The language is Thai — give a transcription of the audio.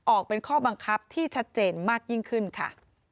ออกเป็นข้อบังคับที่ชัดเจนมากยิ่งขึ้นค่ะ